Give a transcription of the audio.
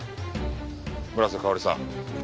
村瀬香織さん